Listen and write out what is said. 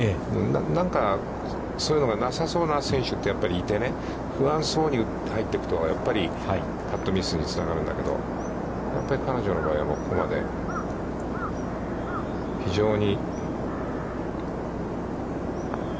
なんか、そういうのがなさそうな選手っていてね、不安そうに入っていくとパットミスにつながるんだけど、やっぱり彼女の場合はここまで非常に。